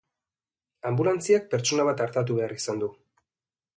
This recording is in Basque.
Anbulantziak pertsona bat artatu behar izan du.